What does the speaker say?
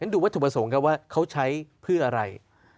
ดูว่าถูกผสมกันว่าเขาใช้เพื่ออะไร